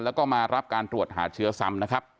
แล้วก็มารับการตรวจหาเชื้อซ้ำนะครับ